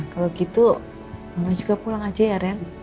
kalau gitu mama juga pulang aja ya ren